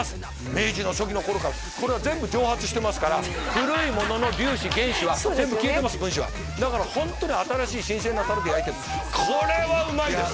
明治の初期の頃からこれは全部蒸発してますから古いものの粒子原子は全部消えてます分子はだからホントに新しい新鮮なタレで焼いてるこれはうまいです！